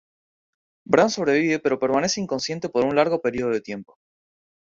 Bran sobrevive pero permanece inconsciente por un largo periodo de tiempo.